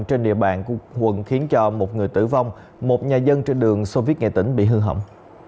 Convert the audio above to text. trên địa bàn của quận khiến cho một người tử vong một nhà dân trên đường soviet nghệ tĩnh bị hư hỏng